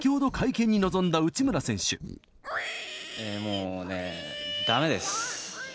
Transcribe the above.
もうね、だめです。